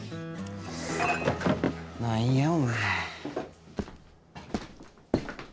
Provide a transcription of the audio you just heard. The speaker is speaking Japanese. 何やお前。